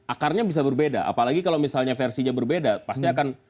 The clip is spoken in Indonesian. akarnya bisa berbeda apalagi kalau misalnya versinya berbeda pasti akan